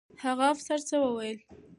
هغه افسر څه وویل؟